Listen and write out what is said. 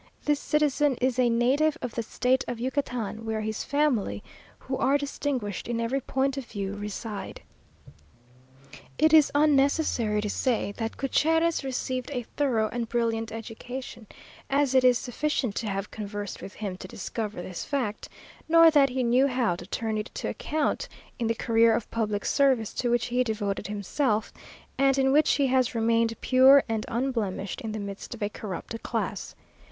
This citizen is a native of the State of Yucatan, where his family, who are distinguished in every point of view, reside. It is unnecessary to say that Gutierrez received a thorough and brilliant education, as it is sufficient to have conversed with him to discover this fact; nor that he knew how to turn it to account in the career of public service to which he devoted himself, and in which he has remained pure and unblemished in the midst of a corrupt class.